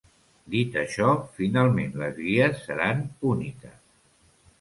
Dit això, finalment les guies seran úniques.